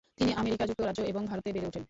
তিনি আমেরিকা, যুক্তরাজ্য এবং ভারতে বেড়ে ওঠেন।